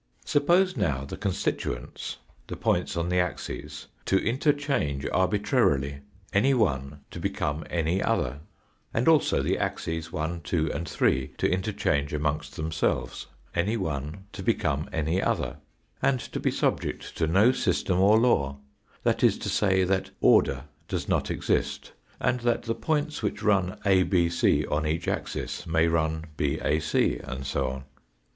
Suppose now the constituents, the points on the axes, to interchange arbitrarily, any one to become any other, and also the axes 1, 2, and 3, to interchange amongst themselves, any one to become any other, and to be sub ject to no system or law, that is to say, that order does not exist, and that the points which run abc on each axis may run bac, and so on.